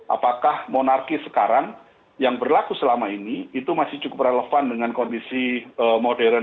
apakah monarki sekarang yang berlaku selama ini itu masih cukup relevan dengan kondisi modern